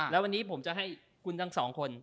แล้ววันนี้ผมจะให้คุณทั้งสองคน